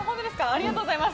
ありがとうございます。